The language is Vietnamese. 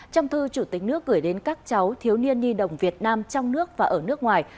trong thư chủ tịch nước gửi đến các cháu thiếu niên nhi đồng việt nam trong nước và ở nước ngoài